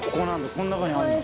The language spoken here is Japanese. この中にあるの？